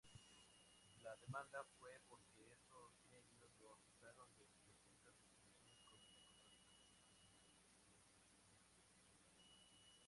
La demanda fue porque estos medios lo acusaron de presuntas vinculaciones con el narcotráfico.